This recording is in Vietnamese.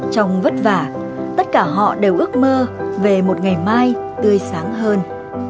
trong vất vả tất cả họ đều ước mơ về một ngày mai tươi sáng hơn